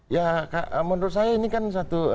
ya menurut saya ini kan satu